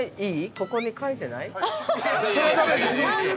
ここに書いてない？